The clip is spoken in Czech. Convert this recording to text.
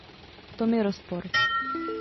V tom je rozpor.